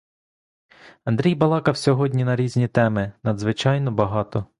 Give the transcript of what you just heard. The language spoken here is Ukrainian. Андрій балакав сьогодні на різні теми надзвичайно багато.